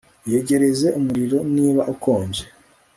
Iyegereze umuriro niba ukonje